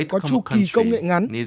có chu kỳ công nghệ ngắn